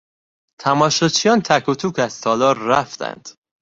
تماشاچیان تک و توک از تالار رفتند.